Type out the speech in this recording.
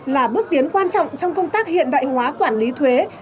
là bước tiến quan trọng trong công tác hiện đại hóa quản lý thuế